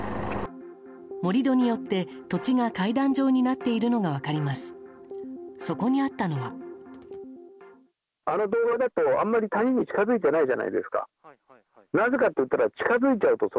盛り土によって土地が階段状になっているのが分かります。